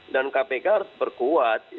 dan kpk harus berkuat